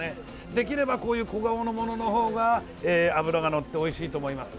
できればこういう小顔のものの方が脂がのっておいしいと思います。